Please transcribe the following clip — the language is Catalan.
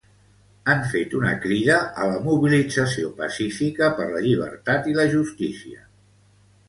Han fet una crida a la mobilització pacífica per la llibertat i la justícia.